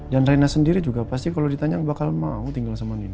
dan rena sendiri juga pasti kalau ditanya bakal mau tinggal sama nino